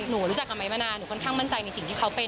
หนูรู้จักกับไม้มานานหนูค่อนข้างมั่นใจในสิ่งที่เขาเป็น